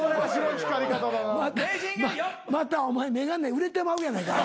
またお前眼鏡売れてまうやないか。